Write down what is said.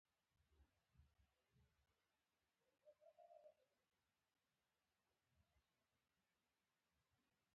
ستاسو د دښمن استازی غواړي خاورې ته درشي.